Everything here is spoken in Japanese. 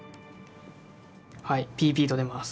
はい「ＰＰ」と出ます。